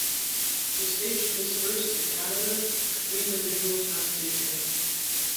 The station is first in Canada to complete the digital transition.